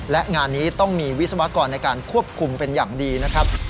และงานนี้ต้องมีวิศวกรในการควบคุมเป็นอย่างดีนะครับ